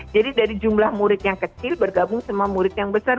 jadi dari jumlah murid yang kecil bergabung sama murid yang besar